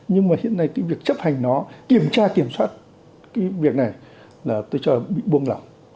nhưng mà hiện nay cái việc chấp hành nó kiểm tra kiểm soát cái việc này là tôi cho là bị buông lỏng